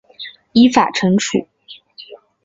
依法惩处